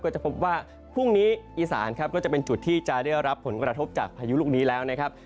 จะพบว่าพรุ่งนี้อีสานครับก็จะเป็นจุดที่จะได้รับผลกระทบจากพายุลูกนี้แล้วนะครับ